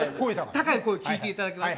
高い声聞いていただきます。